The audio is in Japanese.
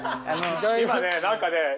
今ね何かね